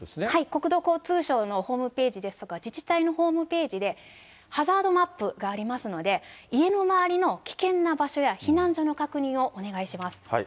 国土交通省のホームページですとか、自治体のホームページでハザードマップがありますので、家の周りの危険な場所や避難所の確認をお願いします。